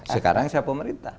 sekarang saya pemerintah